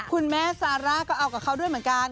คุณแม่ซาร่าก็เอากับเขาด้วยเหมือนกัน